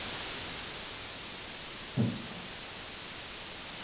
esseq